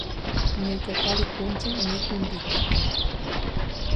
Ñuka kari kuncha mikun ritita.